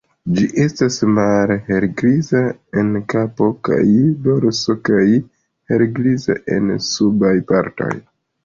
Ĝi estas malhelgriza en kapo kaj dorso kaj helgriza en subaj partoj.